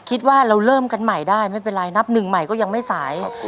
คิดว่าเราเริ่มกันใหม่ได้ไม่เป็นไรนับหนึ่งใหม่ก็ยังไม่สาย